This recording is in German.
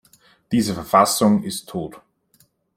Die Verfassung ist tot.